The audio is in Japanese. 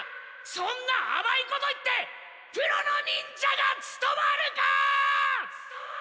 そんなあまいこと言ってプロの忍者がつとまるか！